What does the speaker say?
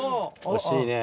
惜しいね。